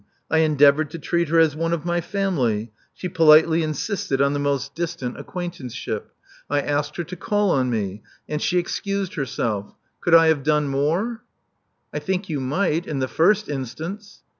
I endeavored to treat her as one of my family: she politely insisted on the most distant 340 Love Among the Artists acquaintanceship. I asked her to call on me ; and she excused herself. Could I have done more?" '*! think you might, in the first instance."